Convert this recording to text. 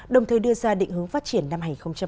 đồng thời đưa ra định hướng phát triển năm hai nghìn hai mươi